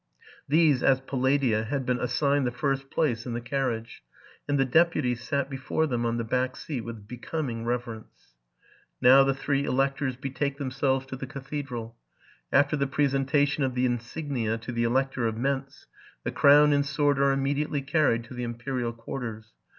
These, as palladia, had been assigned the first place in the carriage ; and the deputies sat before them on the back seat with becoming reverence. Now the three electors betake themselves to the cathedral. After the presentation of the insignia to the Elector of Mentz, the crown and sword are immediately carried to the imperial quarters.